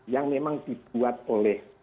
yang memang dibuat oleh